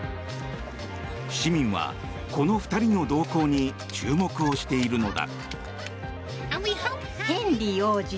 市民はこの２人の動向に注目をしているのだ。